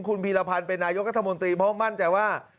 คุณพีรพันธ์เป็นนายกรัฐมนตรีเพราะมั่นใจว่า